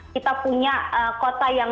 kita punya kota yang